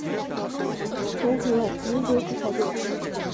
豆腐は絹豆腐派です